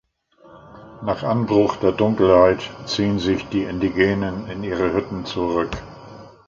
Nach Anbruch der Dunkelheit ziehen sich die Indigenen in ihre Hütten zurück.